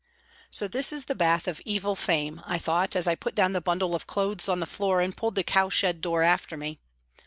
" So this is the bath of evil fame," I thought, as I put down the bundle of clothes on the floor and pulled the cowshed door after me.